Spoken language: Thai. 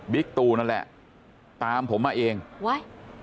ตูนั่นแหละตามผมมาเองไว้